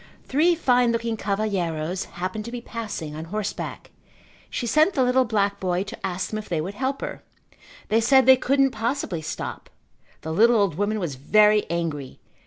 Three fine looking cavalheiros happened to be passing on horseback. She sent the little black boy to ask them if they would help her. They said they couldn't possibly stop. The little old woman was very angry.